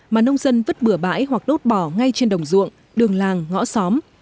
mà nông dân vứt bửa bãi hoặc đốt bỏ ngay trên đồng ruộng đường làng ngõ xóm